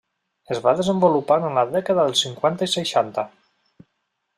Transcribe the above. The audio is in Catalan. Es va desenvolupar en la dècada dels cinquanta i seixanta.